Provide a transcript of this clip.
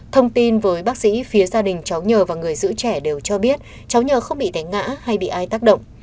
thông tin với bác sĩ phía gia đình cháu nhờ và người giữ trẻ đều cho biết cháu nhờ không bị thánh ngã hay bị ai tác động